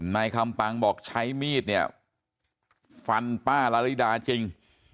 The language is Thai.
นายคำปังบอกใช้มีดเนี่ยฟันป้าลาริดาจริง